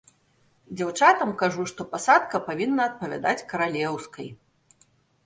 Дзяўчатам кажу, што пасадка павінна адпавядаць каралеўскай.